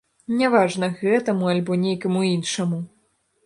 Няважна, гэтаму, альбо нейкаму іншаму.